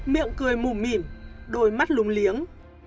miệng cười mùm mỉm đôi mắt lung liếng